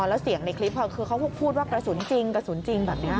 แล้วเสียงในคลิปคือเขาพูดว่ากระสุนจริงแบบนี้